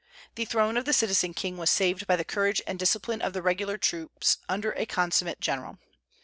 The throne of the citizen king was saved by the courage and discipline of the regular troops under a consummate general.